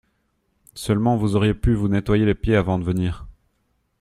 Seulement, vous auriez pu vous nettoyer les pieds avant de venir…